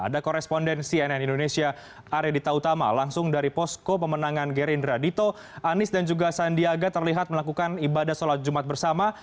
ada koresponden cnn indonesia arya dita utama langsung dari posko pemenangan gerindra dito anies dan juga sandiaga terlihat melakukan ibadah sholat jumat bersama